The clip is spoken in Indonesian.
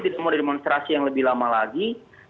tidak mau demonstrasi yang lebih lama lagi